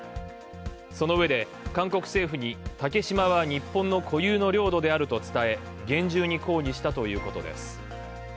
その上で、韓国政府に竹島は日本の固有の領土であると伝え、厳重に抗議したということです。